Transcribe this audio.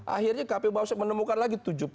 akhirnya kpu bawaslu menemukan lagi tujuh puluh tiga